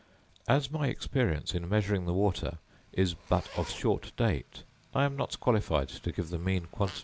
As my experience in measuring the water is but of short date, I am not qualified to give the mean quantity.